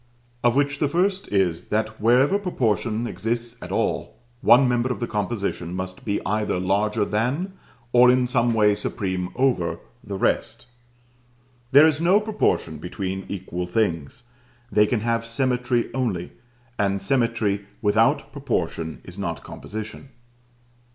Of which the first is, that wherever Proportion exists at all, one member of the composition must be either larger than, or in some way supreme over, the rest. There is no proportion between equal things. They can have symmetry only, and symmetry without proportion is not composition.